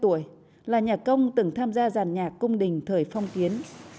từ một mươi năm tuổi là nhà công từng tham gia giàn nhạc cung đình thời phong kiến